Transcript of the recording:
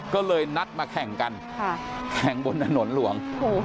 ก็เลยนัดมาแข่งกันแข่งบนถนนหลวง